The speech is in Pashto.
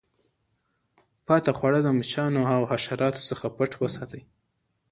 پاته خواړه د مچانو او حشراتو څخه پټ وساتئ.